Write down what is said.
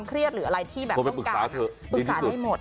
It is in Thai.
ปรึกษาาได้หมด